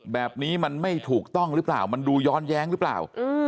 แบบนี้มันไม่ถูกต้องหรือเปล่ามันดูย้อนแย้งหรือเปล่า